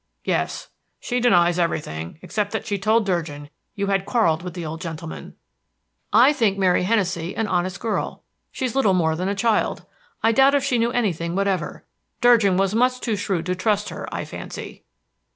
"Yes; she denies everything, except that she told Durgin you had quarreled with the old gentleman." "I think Mary Hennessey an honest girl. She's little more than a child. I doubt if she knew anything whatever. Durgin was much too shrewd to trust her, I fancy."